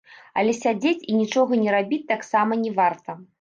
Але сядзець і нічога не рабіць таксама не варта.